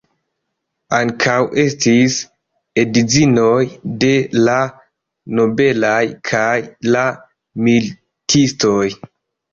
Ankaŭ estis edzinoj de la nobelaj kaj la militistoj.